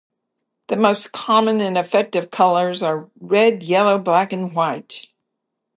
The most common and effective colours are red, yellow, black and white.